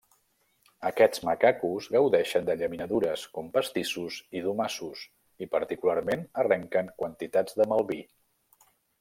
Aquests macacos gaudeixen de llaminadures, com pastissos i domassos, i particularment arrenquen quantitats de malví.